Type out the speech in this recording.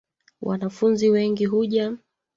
Wanafunzi wengi huja